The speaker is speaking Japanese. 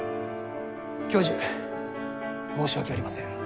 教授申し訳ありません。